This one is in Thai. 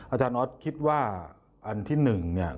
อาจารย์ออสคิดว่าอันที่๑เนี่ย